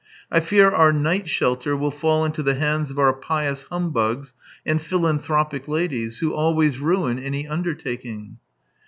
I fear our night shelter will fall into the hands of our pious humbugs and philanthropic ladies, who always ruin any undertaking."